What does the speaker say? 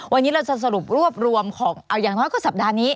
วันนี้เราจะสรุปรวบรวมของเอาอย่างน้อยก็สัปดาห์นี้